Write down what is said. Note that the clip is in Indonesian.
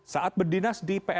saat berdinas di pnl